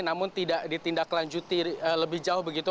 namun tidak ditindaklanjuti lebih jauh begitu